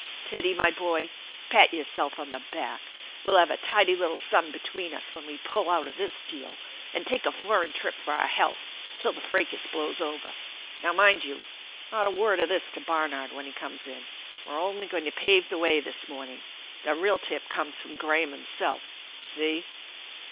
Teddy, my boy, pat yourself on the back ! We'll have a tidy little sum between us when we pull out of this deal, and take a foreign trip for our health till the fracas blows over. Now mind you, not a word of this to Barnard when he comes in. We're only going to pave the way this morning. The real tip comes from Graham himself. See